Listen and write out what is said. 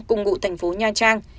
cùng ngụ thành phố nha trang